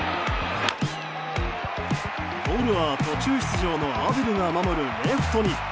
ボールは途中出場のアデルが守るレフトに。